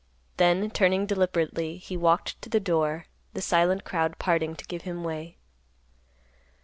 Then, turning deliberately, he walked to the door, the silent crowd parting to give him way.